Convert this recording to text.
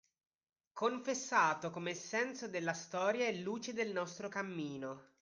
Confessato come senso della storia e luce del nostro cammino.